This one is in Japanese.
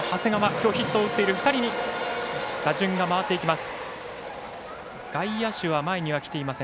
きょうヒットを打っている２人に打順が回っていきます。